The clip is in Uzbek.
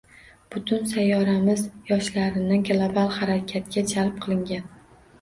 Butun sayyoramiz yoshlarini global harakatlarga jalb qilingan